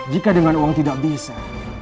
jika dengan uang tidak bisa